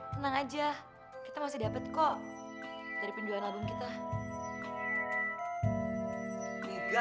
tenang aja kita masih dapat kok dari penjualan album kita juga